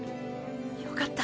よかった。